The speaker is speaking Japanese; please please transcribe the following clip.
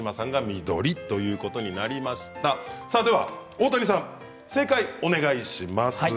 では大谷さん正解をお願いします。